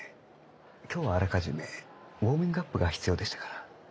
今日はあらかじめウォーミングアップが必要でしたから。